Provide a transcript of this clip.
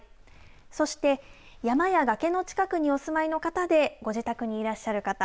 そして山や崖の近くにお住まいの方でご自宅にいらっしゃる方。